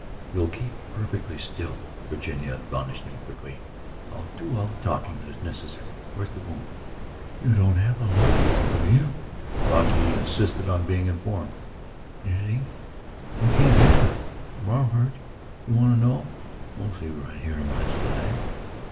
..." "If you'll keep perfectly still," Virginia admonished him quickly, "I'll do all the talking that is necessary. Where is the wound?" "You don't have to have a light, do you?" Brocky insisted on being informed. "You see, we can't have it. Where'm I hurt, you want to know? Mostly right here in my side."